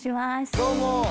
どうも。